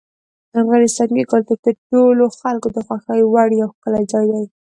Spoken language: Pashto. افغانستان کې کلتور د ټولو خلکو د خوښې وړ یو ښکلی ځای دی.